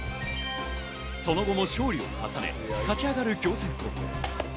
その後も勝利を重ね、勝ち上がる暁星高校。